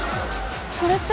これって？